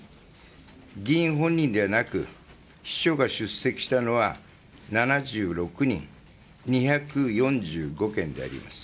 １議員本人ではなく秘書が出席したのは７６人、２４５件であります。